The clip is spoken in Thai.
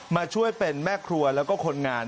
มาช่วยเป็นแม่ครัวแล้วก็คนงาน